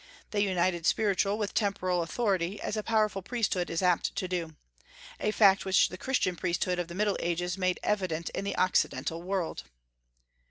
They united spiritual with temporal authority, as a powerful priesthood is apt to do, a fact which the Christian priesthood of the Middle Ages made evident in the Occidental world.